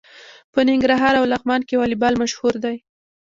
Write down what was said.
په ننګرهار او لغمان کې والیبال مشهور دی.